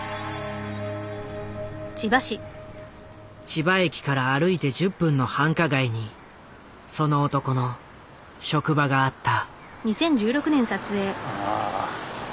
千葉駅から歩いて１０分の繁華街にその男の職場があった。